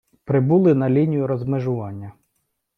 прибули на лінію розмежування